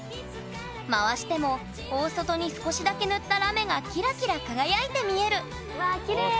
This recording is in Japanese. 回しても大外に少しだけ塗ったラメがキラキラ輝いて見えるわあきれい！